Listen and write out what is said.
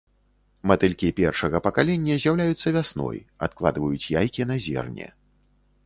Матылькі першага пакалення з'яўляюцца вясной, адкладваюць яйкі на зерне.